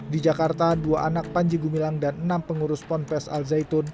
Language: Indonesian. di jakarta dua anak panji gumilang dan enam pengurus ponpes al zaitun